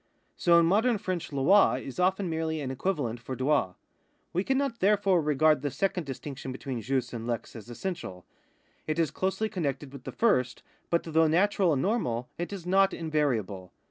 So in modern French Ini is often merely an equivalent for droil. We cannot therefore regard the second distinction between jus and lex as essential. It is closely connected witli the lirsl, but, though natural and normal, it is not invariable.